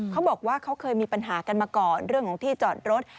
เขาบอกว่าเขาเคยมีปัญหากันมาก่อนเรื่องของที่จอดรถ